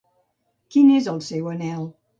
Quin és el seu anhel?